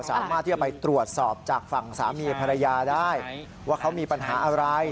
สามารถที่จะไปตรวจสอบจากฝั่งสามีภรรยาได้ว่าเขามีปัญหาอะไร